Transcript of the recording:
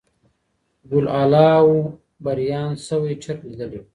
بوالعلا وو بریان سوی چرګ لیدلی